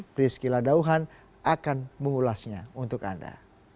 prisky ladauhan akan mengulasnya untuk anda